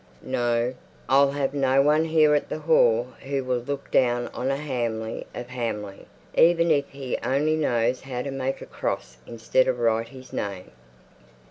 No; I'll have no one here at the Hall who will look down on a Hamley of Hamley, even if he only knows how to make a cross instead of write his name."